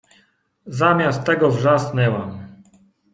Zamiast tego wrzasnęłam